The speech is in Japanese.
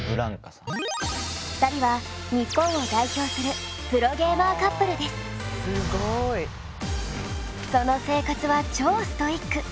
２人は日本を代表するその生活は超ストイック。